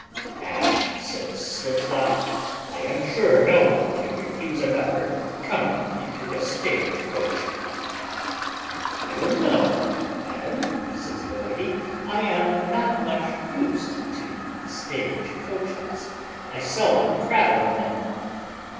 "Madam," says Slipslop, "I am sure no one can refuse another coming into a stage coach." "I don't know, madam," says the lady; "I am not much used to stage coaches; I seldom travel in them."